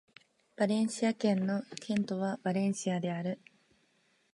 バレンシア県の県都はバレンシアである